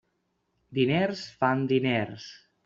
Diners fan diners.